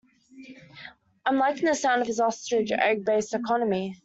I'm liking the sound of this ostrich egg based economy.